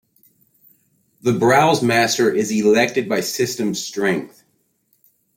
The browse-master is elected by system strength.